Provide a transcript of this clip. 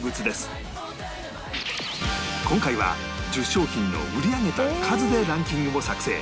今回は１０商品の売り上げた数でランキングを作成